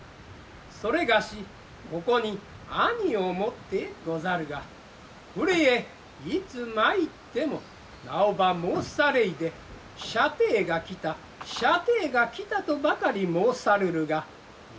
それがしここに兄をもってござるがこれへいつまいっても名をば申されいで舎弟がきた舎弟がきたとばかり申さるるが。